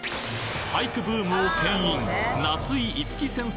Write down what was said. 俳句ブームを牽引